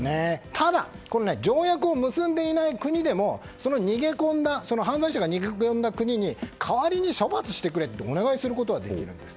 ただ条約を結んでいない国でも犯罪者が逃げ込んだ国に代わりに処罰してくれとお願いすることができるんです。